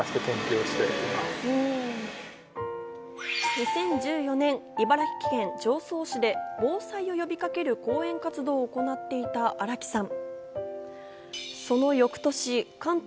２０１４年、茨城県常総市で防災を呼びかける講演活動を行っていた荒木さん。